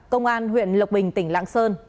công an huyện lộc bình tỉnh lạng sơn